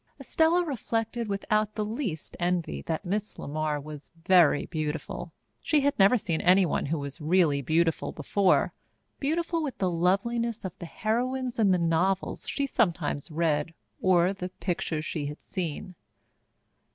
Estella reflected without the least envy that Miss LeMar was very beautiful. She had never seen anyone who was really beautiful before beautiful with the loveliness of the heroines in the novels she sometimes read or the pictures she had seen.